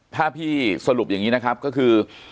ถ้าพี่สรุปอย่างนี้นะครับก็คือ